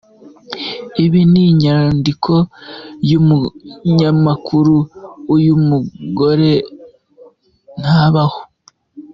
ibi ni inyandiko yumunyamakuru uyumugore ntabaho.